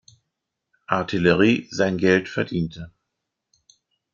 Artillerie sein Geld verdiente.